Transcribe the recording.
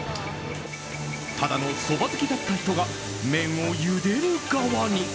ただのそば好きだった人が麺をゆでる側に。